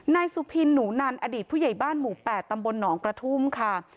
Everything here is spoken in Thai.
นายสุพินหนูนันอดีตผู้ใหญ่บ้านหมู่๘ตำบลหนองกระทุ่มค่ะ